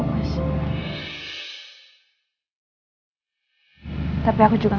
hanya punya tumpukan bingung